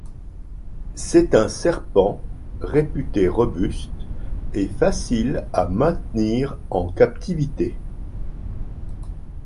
C'est un serpent réputé robuste et facile à maintenir en captivité.